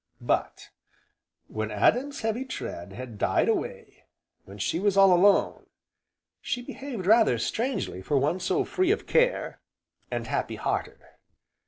But when Adam's heavy tread had died away, when she was all alone, she behaved rather strangely for one so free of care, and happy hearted.